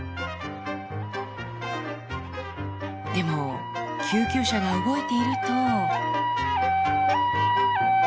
でも救急車が動いていると。